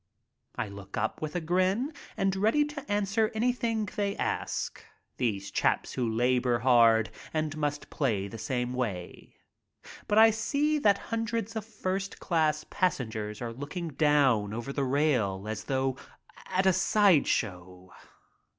I look up with a grin and ready to answer anything they ask, these chaps who labor hard and must play the same way. But I see that hun dreds of first class passengers are looking down over the 28 MY TRIP ABROAD rail as though at a side show.